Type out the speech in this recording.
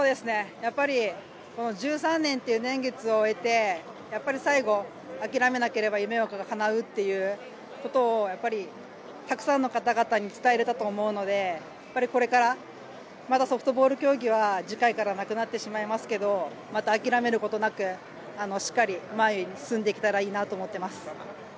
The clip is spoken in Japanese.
やっぱり１３年という年月を経て最後、諦めなければ夢はかなうということをたくさんの方々に伝えられたと思うのでまたソフトボール競技は次回からなくなってしまいますけどまた諦めることなくしっかり前に進んでいけたらいいなと思ってます。